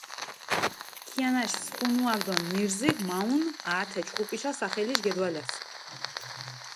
ქიანაშ სხუნუაქ დო ნირზიქ მაჸუნჷ ათე ჩხუპიშა სახელიშ გედვალას.